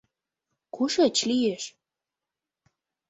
— Кушеч лиеш?